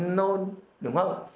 nôn đúng không